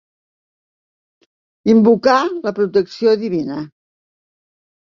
Invocà la protecció divina.